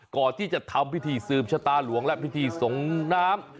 ก่อนที่จะทำพิธีสืบชะตาหลวงและพิธีส่งน้ำ